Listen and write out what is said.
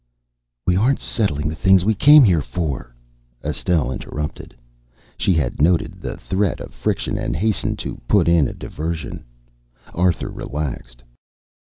"We aren't settling the things we came here for," Estelle interrupted. She had noted the threat of friction and hastened to put in a diversion. Arthur relaxed.